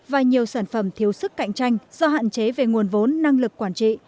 và nhiều sản phẩm thiếu sức cạnh tranh do hạn chế về nguồn vốn năng lực quản trị